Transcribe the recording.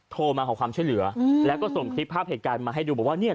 โทรมาขอความช่วยเหลือแล้วก็ส่งคลิปภาพเหตุการณ์มาให้ดูบอกว่าเนี่ย